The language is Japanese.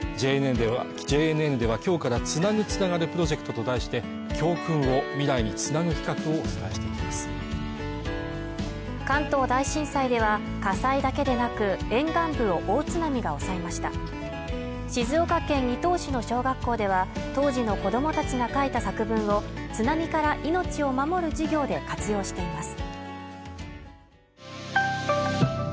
ＪＮＮでは今日から「つなぐ、つながるプロジェクト」と題して教訓を未来につなぐ企画をお伝えしていきます関東大震災では火災だけでなく沿岸部を大津波が襲いました静岡県伊東市の小学校では当時の子どもたちが書いた作文を津波から命を守る授業で活用しています